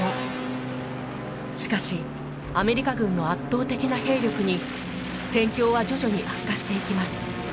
しかしアメリカ軍の圧倒的な兵力に戦況は徐々に悪化していきます。